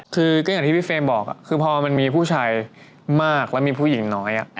คือก็อย่างที่พี่เฟรมบอกคือพอมันมีผู้ชายมากแล้วมีผู้หญิงน้อย